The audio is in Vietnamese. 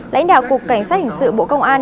lãnh đạo cục cảnh sát hình sự bộ công an